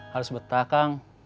harus betah kang